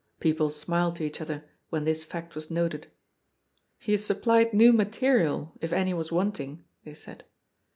Peo ple smiled to each other, when this fact was noted. " He has supplied new material, if any was wanting," they said.